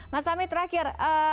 mas fahmi terakhir